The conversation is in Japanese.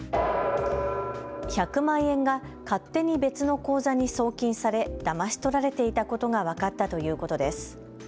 １００万円が勝手に別の口座に送金され、だまし取られていたことが分かったということです。